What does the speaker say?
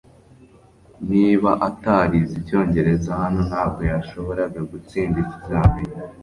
Niba atarize icyongereza hano ntabwo yashoboraga gutsinda ikizamini